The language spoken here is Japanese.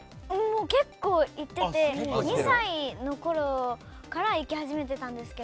結構、行ってて２歳のころから行き始めてたんですけど。